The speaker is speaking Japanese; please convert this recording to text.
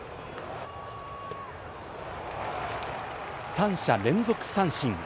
３者連続三振。